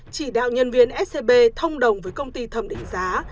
chỉ đạo nhân viên scb thông đồng với công ty thẩm định giá